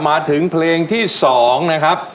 มาถึงเพลงที่๒นะครับ